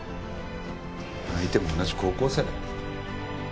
相手も同じ高校生だよ。